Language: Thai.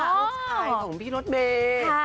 ลูกสายของพี่นดเบย์